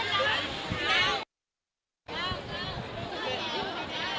สวัสดีค่ะ